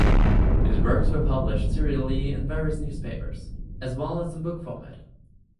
His works were published serially in various newspapers as well as in book format.